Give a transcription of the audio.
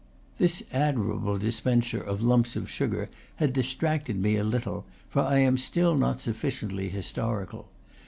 This admirable dispenser of lumps of sugar has distracted me a little; for I am still not sufficiently historical.